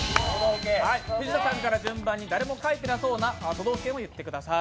藤田さんから順番に、誰も書いてなさそうな都道府県を言ってください。